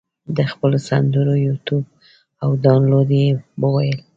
د خپلو سندرو یوټیوب او دانلود یې وویل.